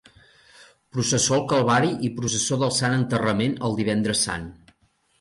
Processó al Calvari i processó del Sant Enterrament el Divendres Sant.